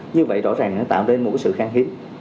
như vậy rõ ràng nó tạo nên một sự khang hiếm